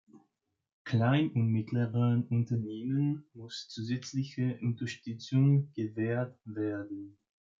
Klein- und mittleren Unternehmen muss zusätzliche Unterstützung gewährt werden.